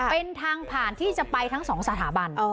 เป็นทางผ่านที่จะไปทั้งสองสถาบัน